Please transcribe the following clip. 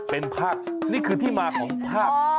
เป็นภาพนี่คือที่มาของภาพ